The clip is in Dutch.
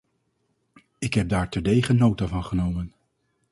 Ik heb daar terdege nota van genomen.